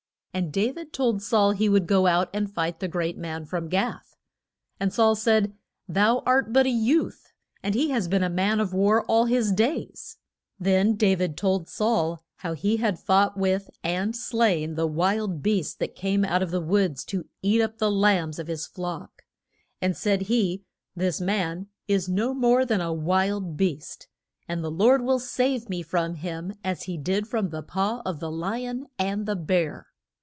And Da vid told Saul he would go out and fight the great man from Gath. And Saul said, Thou art but a youth, and he has been a man of war all his days. Then Da vid told Saul how he had fought with and slain the wild beasts that came out of the woods to eat up the lambs of his flock. And, said he, this man is no more than a wild beast, and the Lord will save me from him as he did from the paw of the li on and the bear.